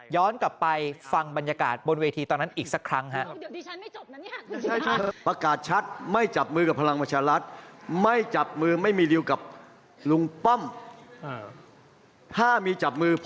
กลับไปฟังบรรยากาศบนเวทีตอนนั้นอีกสักครั้งครับ